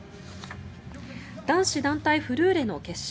男子団体フルーレの決勝。